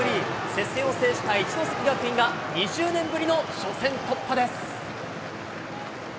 接戦を制した一関学院が、２０年ぶりの初戦突破です。